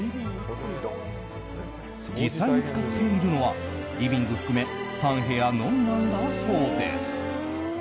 実際に使っているのはリビング含め３部屋のみなんだそうです。